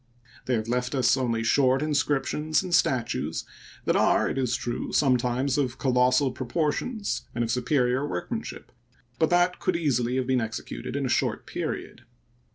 They have left us only short inscriptions and statues that are, it is true, sometimes of colossal proportions and of superior workmanship ; but that could easily have been executed in a short period.